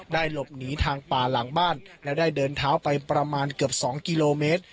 หลบหนีทางป่าหลังบ้านและได้เดินเท้าไปประมาณเกือบ๒กิโลเมตร